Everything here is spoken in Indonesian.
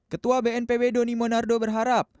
ketua bnpb doni monardo berharap